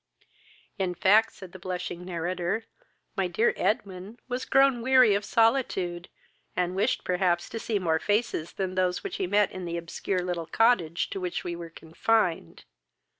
"In fact, (said the blushing narrator,) my dear Edwin, was grown weary of solitude, and wished perhaps to see more faces than those which he met in the obscure little cottage to which we were confined."